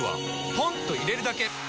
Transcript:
ポンと入れるだけ！